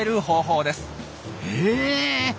へえ！